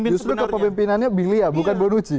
justru kepemimpinannya bilia bukan bonucci